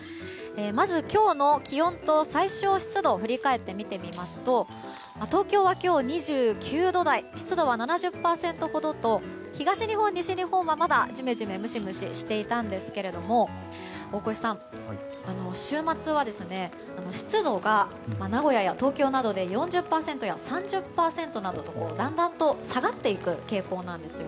まず、今日の気温と最小湿度を振り返って見てみますと東京は今日２９度台湿度は７０％ほどと東日本、西日本はまだジメジメ、ムシムシしていましたが大越さん、週末は湿度が名古屋や東京などで４０％や３０％などとだんだんと下がっていく傾向。